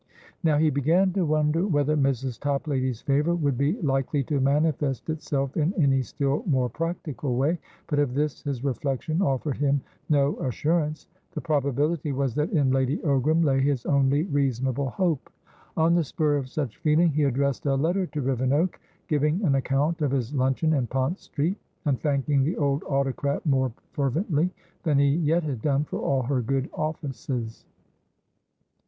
Now, he began to wonder whether Mrs. Toplady's favour would be likely to manifest itself in any still more practical way; but of this his reflection offered him no assurance. The probability was that in Lady Ogram lay his only reasonable hope. On the spur of such feeling, he addressed a letter to Rivenoak, giving an account of his luncheon in Pont Street, and thanking the old autocrat more fervently than he yet had done for all her good offices.